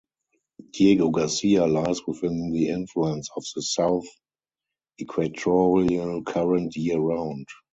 Diego Garcia lies within the influence of the South Equatorial current year-round.